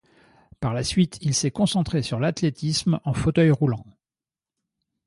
Par la suite, il s'est concentré sur l'athlétisme en fauteuil roulant.